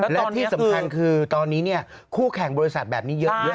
และที่สำคัญคือตอนนี้คู่แข่งบริษัทแบบนี้เยอะ